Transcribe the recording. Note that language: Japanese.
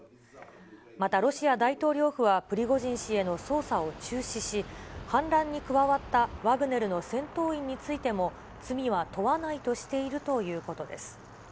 またロシア大統領府はプリゴジン氏への捜査を中止し、反乱に加わったワグネルの戦闘員についても罪は問わないとしているということです。